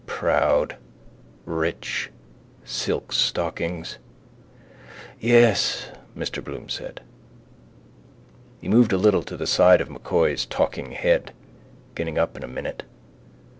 Proud: rich: silk stockings. —Yes, Mr Bloom said. He moved a little to the side of M'Coy's talking head. Getting up in a minute.